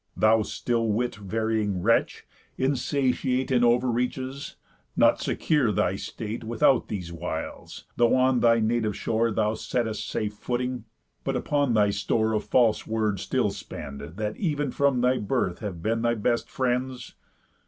Thou still wit varying wretch! Insatiate In over reaches! Not secure thy state Without these wiles, though on thy native shore Thou sett'st safe footing, but upon thy store Of false words still spend, that ev'n from thy birth Have been thy best friends?